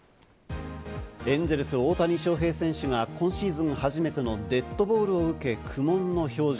エンゼルスの大谷翔平選手が今シーズン初めてのデッドボールを受け、苦悶の表情。